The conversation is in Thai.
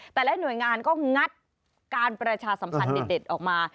แต่ละหน่วยงานก็งัดการประชาสัมพันธ์เด็ดออกมา